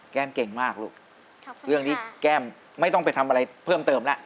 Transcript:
เก่งมากลูกเรื่องนี้แก้มไม่ต้องไปทำอะไรเพิ่มเติมแล้ว